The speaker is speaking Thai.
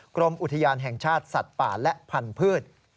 กรมอุทยานแห่งชาติสัตว์ป่าและพันธุ์